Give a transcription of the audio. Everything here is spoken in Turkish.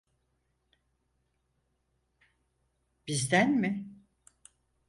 Bizden mi?